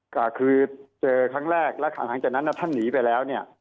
ก็คือเจอครั้งแรกแล้วหลังจากนั้นท่านหนีไปแล้วเนี่ย